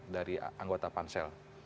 dari anggota pansel